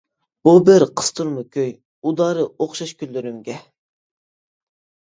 بۇ بىر قىستۇرما كۈي، ئۇدارى ئوخشاش كۈنلىرىمگە.